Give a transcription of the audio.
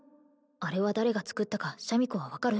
あれは誰が作ったかシャミ子は分かる？